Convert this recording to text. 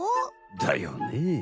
だよねえ。